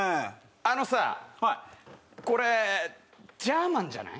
あのさこれジャーマンじゃない？